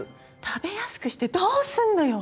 食べやすくしてどうするのよ！